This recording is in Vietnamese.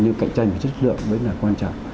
nhưng cạnh tranh với chất lượng mới là quan trọng